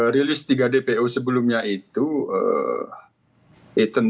rilis tiga dpo sebelumnya itu